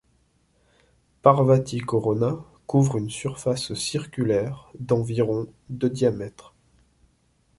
Parvati Corona couvre une surface circulaire d'environ de diamètre.